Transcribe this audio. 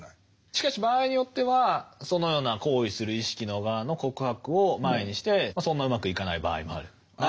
しかし場合によってはそのような行為する意識の側の告白を前にしてそんなうまくいかない場合もある。